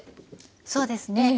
そうですね。